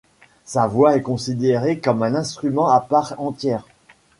Sa voix est considérée comme un instrument à part entière.